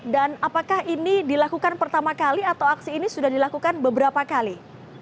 dan apakah ini dilakukan pertama kali atau aksi ini sudah dilakukan beberapa kali